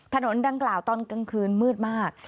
ถนนดังกล่าวตอนกลางคืนมืดมาก